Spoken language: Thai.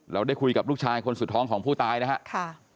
ได้คุยกับลูกชายคนสุดท้องของผู้ตายนะครับ